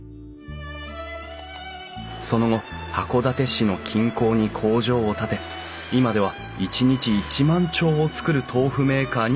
その後函館市の近郊に工場を建て今では一日１万丁を作る豆腐メーカーに成長。